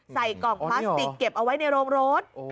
ใส่กล่องพลาสติกเก็บเอาไว้ในโรงรถ